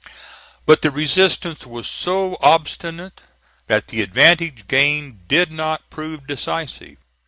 But the resistance was so obstinate that the advantage gained did not prove decisive.